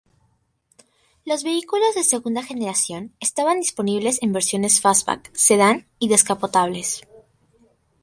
Los vehículos de segunda generación estaban disponibles en versiones fastback, sedán y descapotables.